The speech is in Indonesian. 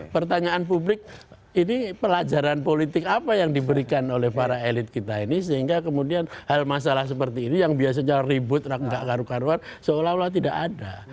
pertanyaan publik ini pelajaran politik apa yang diberikan oleh para elit kita ini sehingga kemudian hal masalah seperti ini yang biasanya ribut nggak karu karuan seolah olah tidak ada